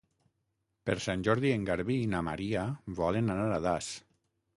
Per Sant Jordi en Garbí i na Maria volen anar a Das.